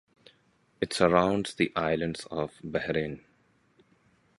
It surrounds the islands of Bahrain.